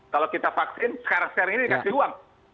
kalau kita vaksin sekarang sekarang ini dikasih uang